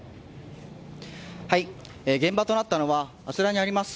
現場となったのはあちらにあります